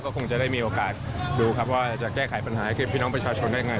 ก็คงจะได้มีโอกาสดูครับว่าจะแก้ไขปัญหาให้กับพี่น้องประชาชนได้ยังไง